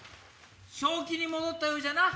正気に戻ったようじゃな。